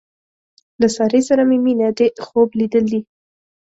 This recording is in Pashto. له سارې سره مې مینه دې خوب لیدل دي.